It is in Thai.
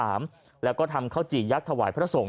บุญข้าวจี่หีดเดือนสามและก็ทำข้าวจี่ยกถวายพระทรง